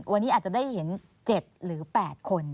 วันนี้อาจจะได้เห็น๗หรือ๘คน